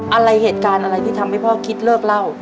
อะไรเหตุการณ์อะไรที่ทำให้พ่อคิดเลิกเล่า